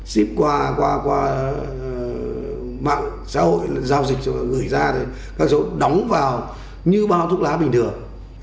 xếp qua qua qua mạng xã hội giao dịch rồi gửi ra thì các cháu đóng vào như bao thuốc lá bình thường